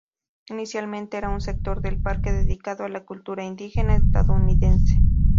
Inicialmente era un sector del parque dedicado a la cultura indígena estadounidense.